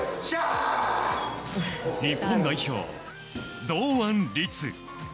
日本代表、堂安律。